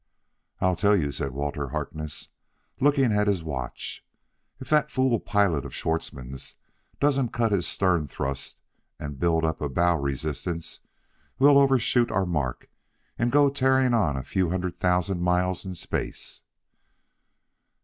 "I'll tell you," said Walter Harkness, looking at his watch: "if that fool pilot of Schwartzmann's doesn't cut his stern thrust and build up a bow resistance, we'll overshoot our mark and go tearing on a few hundred thousand miles in space."